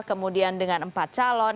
kemudian dengan empat calon